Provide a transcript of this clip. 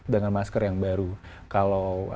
dengan masker yang baru kalau